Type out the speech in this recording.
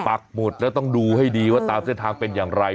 ปักหมุดแล้วต้องดูให้ดีว่าตามเส้นทางเป็นอย่างไร